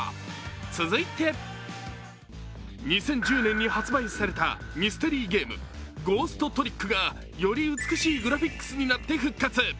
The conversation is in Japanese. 続いて２０１０年に発売されたミステリーゲーム「ゴーストトリック」がより美しいグラフィックスになって復活。